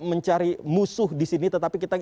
mencari musuh di sini tetapi kita